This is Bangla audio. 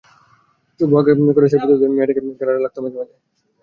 চোখ বাঁকা করে সেলফি তুলতে তুলতে মেয়েিটকে ট্যারা লাগত মাঝে মাঝে।